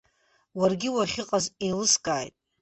Уаргьы уахьыҟаз еилыскааит.